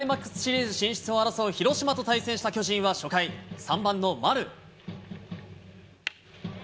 クライマックスシリーズ進出を争う広島と対戦した巨人は初回、３番の丸。